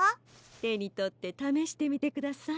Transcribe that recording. てにとってためしてみてください。